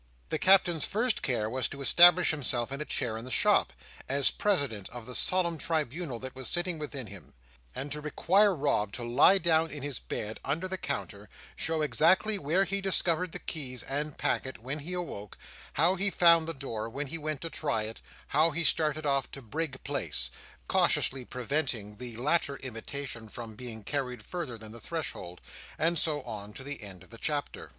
The Captain's first care was to establish himself in a chair in the shop, as President of the solemn tribunal that was sitting within him; and to require Rob to lie down in his bed under the counter, show exactly where he discovered the keys and packet when he awoke, how he found the door when he went to try it, how he started off to Brig Place—cautiously preventing the latter imitation from being carried farther than the threshold—and so on to the end of the chapter.